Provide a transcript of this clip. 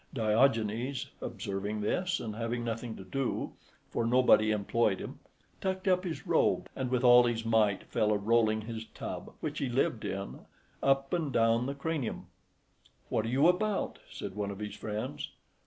Diogenes observing this, and having nothing to do (for nobody employed him), tucked up his robe, and, with all his might, fell a rolling his tub which he lived in up and down the Cranium. {20b} "What are you about?" said one of his friends.